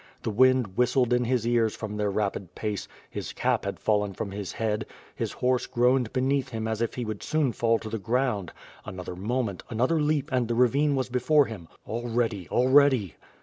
The wind whistled in his ears from their rapid pace; his cap had fallen from his head; his horse groaned beneath him as if he would soon fall to the ground: another moment, another leap and the ravine was before him. Already, already!